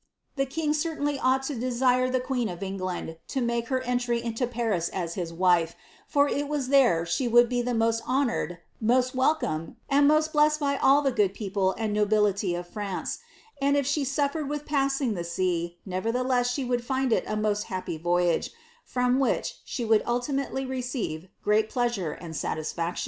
And the king certainly ought to dnire the queen of England to make her entry into Paris as his wife, far it was there she would be the most honoured, most welcome, and ■osi blessed by all the good people and nobility of France ; and if she nfiered with passing the sea, nevertheless she would find it a moeC b^ipy Foyage, from which she would ultimately receive great pleasure lad satisfaction."